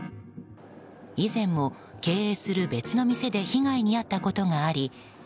以前も経営する別の店で被害に遭ったことがあり